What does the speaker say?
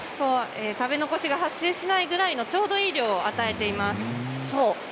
食べ残しが発生しないようちょうどよい量を与えています。